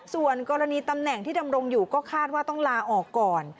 ส่วนกรณีตำแหน่งที่ดำรงอยู่ก็คาดว่าต้องลาออกก่อน